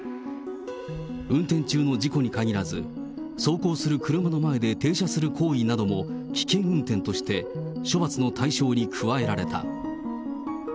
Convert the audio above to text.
運転中の事故に限らず、走行する車の前で停車する行為なども危険運転として、処罰の対象に加えられた。